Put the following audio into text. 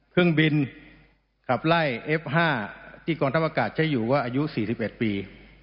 เครื่องบินกับไล่เอฟห้าที่กองทัพอากาศใช้อยู่ว่าระยุสี่สิบแปดปี